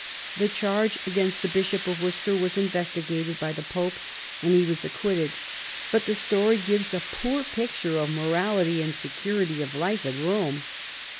The charge against the Bishop of Worcester was investigated by the Pope, and he was acquitted ; but the story gives a poor picture of morality and security of life at Eome.